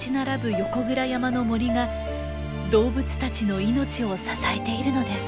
横倉山の森が動物たちの命を支えているのです。